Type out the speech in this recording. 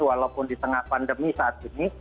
walaupun di tengah pandemi saat ini